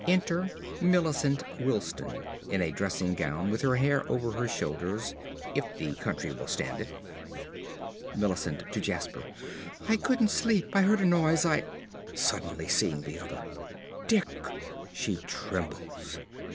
Enter Millicent Wilsdon_ in a dressing gown, with her hair over her shoulders, if the county will stand it._ ~Millicent~ (to Jasper). I couldn't sleep I heard a noise I (suddenly seeing the other) Dick! (_She trembles.